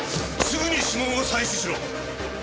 すぐに指紋を採取しろ。